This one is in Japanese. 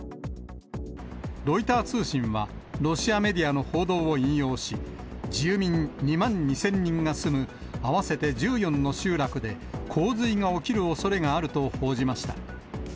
ロイター通信は、ロシアメディアの報道を引用し、住民２万２０００人が住む合わせて１４の集落で、洪水が起きるおそれがあると報じました。